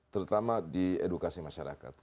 terutama di edukasi masyarakat